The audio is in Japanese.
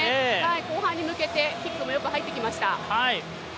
後半に向けてキックもよく入ってきました。